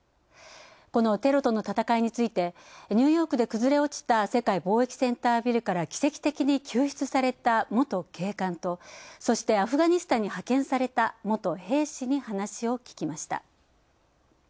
このテロとの戦いについてニューヨークで崩れ落ちた世界貿易センタービルから奇跡的に救出された元警官とそして、アフガニスタンに派遣された元兵士に話を聞きました。